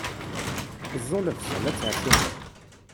Ẓẓu lebṣel, ad tertiḥeḍ.